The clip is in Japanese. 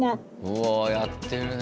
うわやってるね。